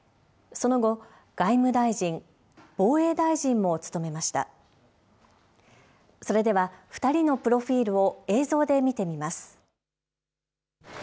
それでは２人のプロフィールを映像で見てみます。